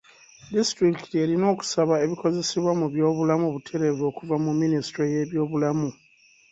Disitulikiti erina okusaba ebikozesebwa mu by'obulamu butereevu okuva mu minisitule y'ebyobulamu.